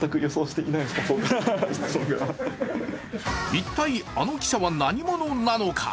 一体あの記者は何者なのか？